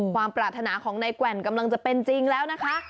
ปรารถนาของนายแกว่งกำลังจะเป็นจริงแล้วนะคะ